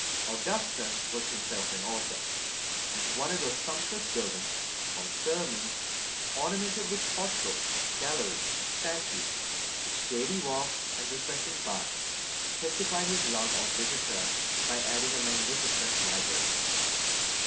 Augustus was himself an author; and to one of those sumptuous buildings, called Thermæ, ornamented with porticos, galleries, and statues, with shady walks, and refreshing baths, testified his love of literature by adding a magnificent library.